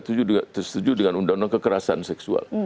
setuju dengan undang undang kekerasan seksual